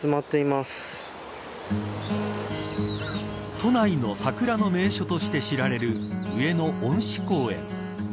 都内の桜の名所として知られる上野恩賜公園。